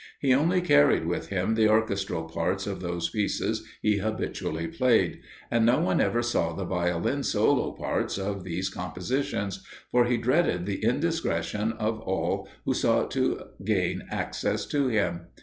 He only carried with him the orchestral parts of those pieces he habitually played; and no one ever saw the Violin solo parts of these compositions, for he dreaded the indiscretion of all who sought to gain access to him.